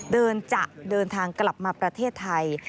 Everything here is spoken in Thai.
จะเดินทางกลับมาประเทศไทย